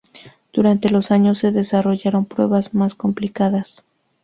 Durante los años se desarrollaron pruebas más complicadas.